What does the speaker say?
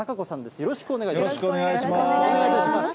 よろしくお願いします。